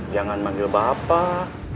jangan manggil bapak